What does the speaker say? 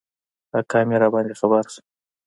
اکا مي راباندي خبر شو .